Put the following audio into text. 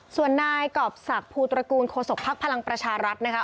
ส่วนนายกรอบศักดิ์ภูตระกูลโฆษกภักดิ์พลังประชารัฐนะคะ